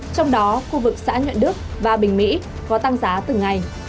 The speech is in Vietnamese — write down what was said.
trong đó khu vực xã nhuận đức và bình mỹ có tăng giá từng ngày